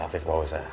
afif gak usah